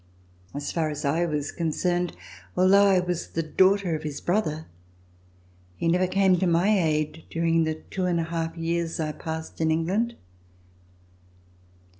As far as I was concerned, although I was the daughter of his brother, he never came to my aid during the two years and a half I passed in England.